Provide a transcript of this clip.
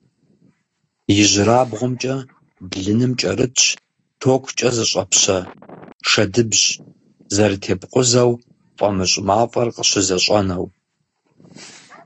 ИжьырабгъумкӀэ блыным кӀэрытщ токкӀэ зыщӀэпщэ шэдыбжь – зэрытепкъузэу фӀамыщӀ мафӀэр къыщызэщӀэнэу.